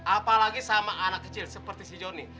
apalagi sama anak kecil seperti si joni